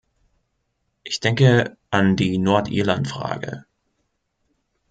Ich denke an die Nordirland-Frage.